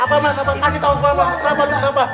apa apa kasih tau gue apa apa